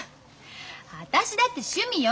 私だって趣味よ。